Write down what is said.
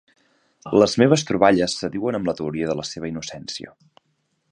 Les meves troballes s'adiuen amb la teoria de la seva innocència.